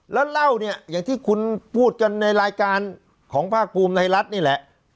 แล้วเล่าเนี่ยอย่างที่คุณพูดกันในรายการของภาคภูมิในรัฐนี่แหละ